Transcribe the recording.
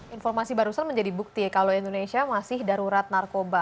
informasi barusan menjadi bukti kalau indonesia masih darurat narkoba